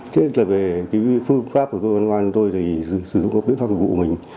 thế là về phương pháp của công an hà nội tôi thì sử dụng các bếp pháp vụ mình